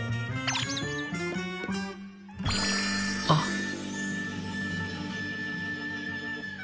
あっ。